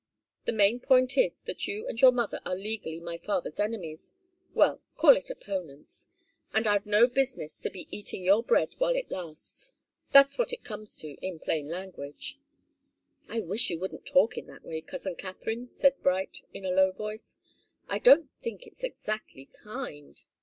The main point is that you and your mother are legally my father's enemies well, call it opponents and I've no business to be eating your bread while it lasts. That's what it comes to, in plain language." "I wish you wouldn't talk in that way, cousin Katharine," said Bright, in a low voice. "I don't think it's exactly kind."